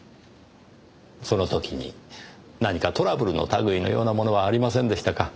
その時に何かトラブルの類いのようなものはありませんでしたか？